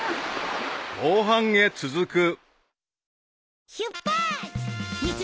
［後半へ続く］